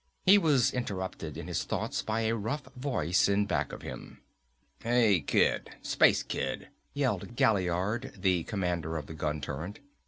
He was interrupted in his thoughts by a rough voice in back of him. "Hey, Kid! Space Kid!" yelled Gaillard, the commander of the gun turret.